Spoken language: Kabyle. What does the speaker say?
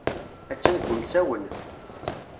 Attan deg umsawen.